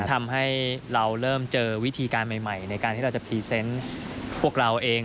ทำให้เราเริ่มเจอวิธีการใหม่ในการที่เราจะพรีเซนต์พวกเราเอง